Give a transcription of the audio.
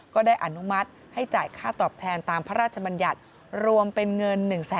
ก็ได้อนุมัติให้จ่ายค่าตอบแทนตามพระราชบัญญัติรวมเป็นเงิน